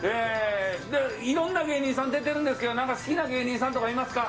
いろんな芸人さん、出てるんですけど、なんか好きな芸人さんとかいますか？